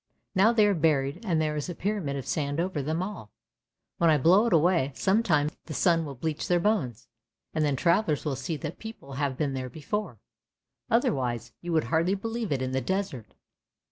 Now they are buried, and there is a pyramid of sand over them all; when I blow it away, sometime the sun will bleach their bones, and then travellers will see that people have been there before, otherwise you would hardly believe it in the desert!